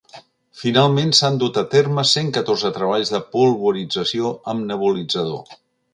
Finalment, s’han dut a terme cent catorze treballs de polvorització amb nebulitzador.